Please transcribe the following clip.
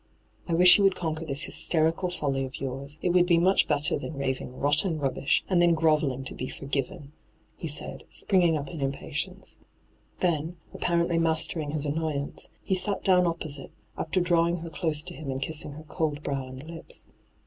' I wish you would conquer this hysterical foUy of yours ; it would be much better than hyGoo>^lc ENTRAPPED 177 . raving rotteD rubbish, and then grovelling to be forgiven t' he said, springing up in im patience. Then, apparently mastering his annoyance, he sat down opposite, after draw ing her close to him and kissing her cold brow and lips.